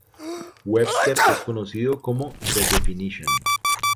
Webster es conocido como "The Definition".